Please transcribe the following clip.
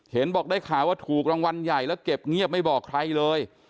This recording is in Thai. เห็นบอกได้ข่าวว่าถูกรางวัลใหญ่แล้วเก็บเงียบไม่บอกใครเลย